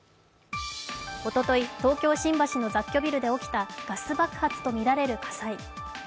おととい、東京・新橋の雑居ビルで起きたガス爆発とみられる火災。